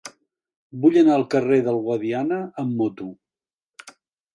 Vull anar al carrer del Guadiana amb moto.